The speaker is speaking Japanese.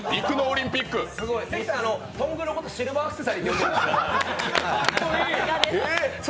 関さん、トングのことシルバーアクセサリーって呼んでるんです。